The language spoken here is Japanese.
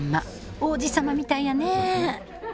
王子様みたいやね